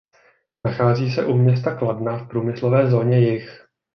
Nachází se u města Kladna v průmyslové zóně Jih.